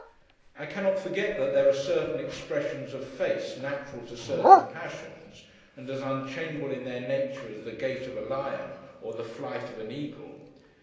I cannot forget that there are certain expressions of face, natural to certain passions, and as unchangeable in their nature as the gait of a lion, or the flight of an eagle.